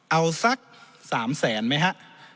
เอาสัก๓แสนไหมฮะ